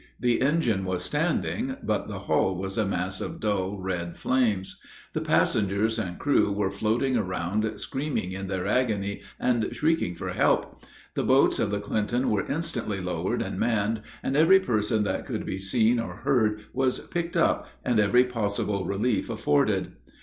The engine was standing, but the hull was a mass of dull, red flames. The passengers and crew were floating around, screaming in their agony, and shrieking for help. The boats of the Clinton were instantly lowered and manned, and every person that could be seen or heard was picked up, and every possible relief afforded.